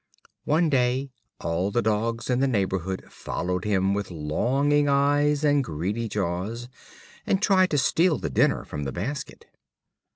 One day all the dogs in the neighborhood followed him with longing eyes and greedy jaws, and tried to steal the dinner from the basket.